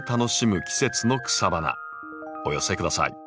お寄せ下さい。